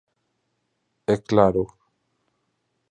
E claro.